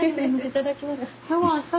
いただきます。